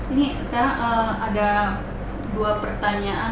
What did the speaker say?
ini sekarang ada dua pertanyaan